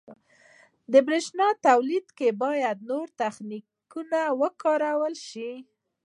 • د برېښنا تولید کې باید نوي تخنیکونه وکارول شي.